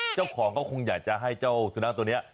เจ้าของก็คงอยากจะให้เจ้าสุนัขตัวนี้